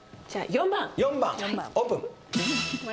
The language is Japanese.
４番オープン。